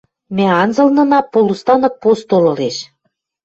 Мӓ анзылнына полустанок постол ылеш.